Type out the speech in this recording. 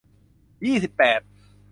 ยี่สิบแปด